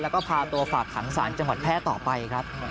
แล้วก็พาตัวฝากขังสารจังหวัดแพร่ต่อไปครับ